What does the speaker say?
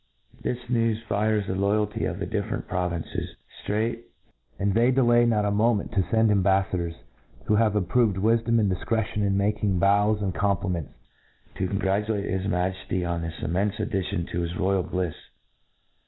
This news fires the loyalty of the different provinces, ftraight ^— *i and they delay • not a moment to fend ambaffadors, wUo have appr^oved wifiiom and difctetion in making bow*' and' compliments, to congratulate his Majefty on this immcnfc addition to his royal Wife.